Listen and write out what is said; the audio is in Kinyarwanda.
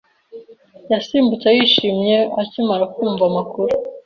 Yasimbutse yishimye akimara kumva amakuru.